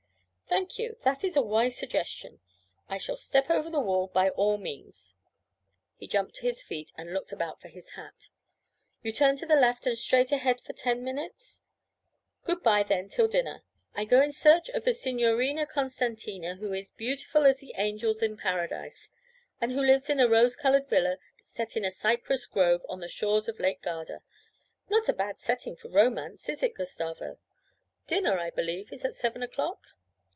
'Thank you, that is a wise suggestion; I shall step over the wall by all means.' He jumped to his feet and looked about for his hat. 'You turn to the left and straight ahead for ten minutes? Good bye then till dinner. I go in search of the Signorina Costantina who is beautiful as the angels in Paradise, and who lives in a rose coloured villa set in a cypress grove on the shores of Lake Garda not a bad setting for romance, is it, Gustavo? Dinner, I believe, is at seven o'clock?'